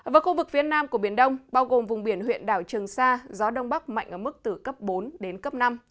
và khu vực phía nam của biển đông bao gồm vùng biển huyện đảo trường sa gió đông bắc mạnh ở mức từ cấp bốn đến cấp năm